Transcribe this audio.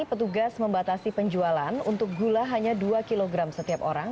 petugas membatasi penjualan untuk gula hanya dua kg setiap orang